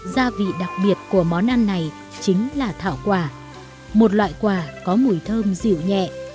gia vị đặc biệt của món ăn này chính là thảo quả một loại quả có mùi thơm dịu nhẹ